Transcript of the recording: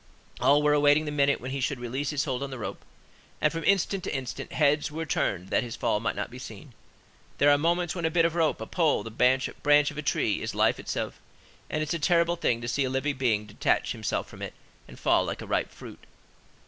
All were awaiting the minute when he should release his hold on the rope, and, from instant to instant, heads were turned aside that his fall might not be seen. There are moments when a bit of rope, a pole, the branch of a tree, is life itself, and it is a terrible thing to see a living being detach himself from it and fall like a ripe fruit.